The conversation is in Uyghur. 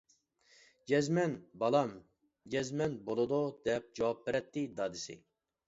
-جەزمەن، بالام، جەزمەن بولىدۇ، -دەپ جاۋاب بېرەتتى دادىسى.